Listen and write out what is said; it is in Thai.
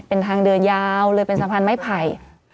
เป็นทางเดินยาวเลยเป็นสะพานไม้ไผ่